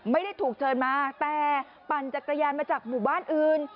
ไม่ได้ถูกเชิญมาแต่ปั่นจักรยานมาจากหมู่บ้านอื่น